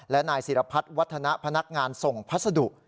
และนายศิรพัฒนาพนักงานทรงพัศดุ